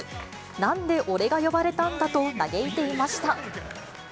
なんで俺が呼ばれたんだと、嘆いていました。